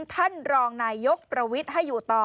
ท่านรองนายยกประวิทย์ให้อยู่ต่อ